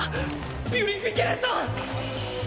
ピュリフィケイション！